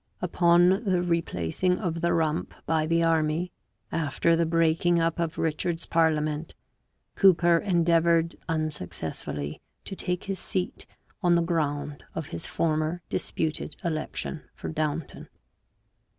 Upon the replacing of the Rump by the army, after the breaking up of Richard's parliament, Cooper endeavoured unsuccessfully to take his seat on the ground of his former disputed election for Downton.